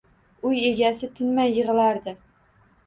Uy egasi tinmay yig‘lardi